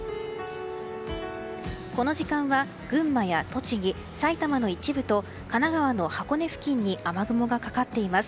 この時間は群馬や栃木、埼玉の一部と神奈川の箱根付近に雨雲がかかっています。